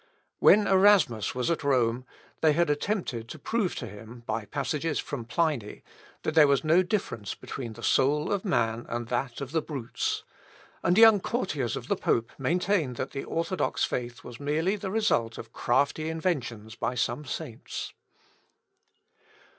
When Erasmus was at Rome, they had attempted to prove to him, by passages from Pliny, that there was no difference between the soul of man and that of the brutes; and young courtiers of the pope maintained that the orthodox faith was merely the result of crafty inventions by some saints.